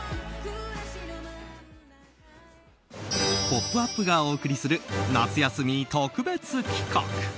「ポップＵＰ！」がお送りする夏休み特別企画。